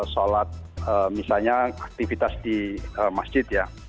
sholat misalnya aktivitas di masjid ya